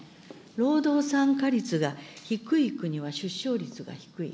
労働参加率が低い国は出生率が低い。